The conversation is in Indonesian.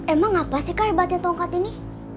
emang apa sih kak hebatnya tongkat ini